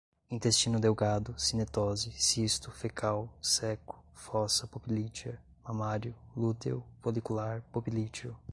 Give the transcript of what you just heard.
intestino delgado, cinetose, cisto, fecal, ceco, fossa poplítea, mamário, lúteo, folicular, poplíteo